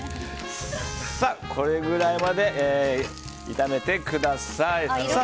これぐらいまで炒めてください。